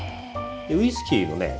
ウイスキーのね